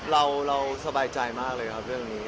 เราสบายใจมากเลยครับเรื่องนี้